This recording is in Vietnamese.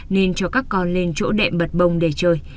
nên cho các con lên chỗ đệm bật bông để chơi